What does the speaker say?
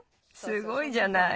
すごいじゃない。